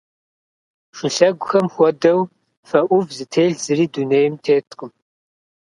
Шылъэгухэм хуэдэу фэ ӏув зытелъ зыри дунейм теткъым.